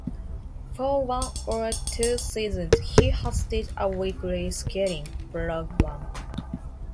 For one or two seasons he hosted a weekly skating program.